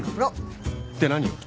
って何を？